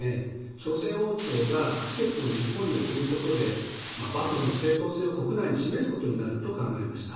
朝鮮王朝が使節を日本に送ることで幕府の正当性を国内に示すことになると考えました。